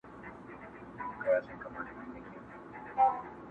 پر اغزیو راته اوښ وهي رمباړي!